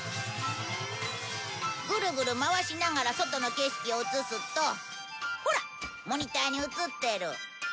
グルグル回しながら外の景色を映すとほらモニターに映ってる。